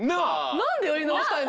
何でやり直したいの？